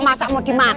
masak mau dimakan